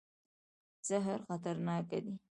زهر خطرناک دی.